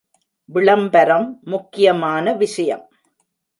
விளம்பரம் முக்கியமான விஷயம்.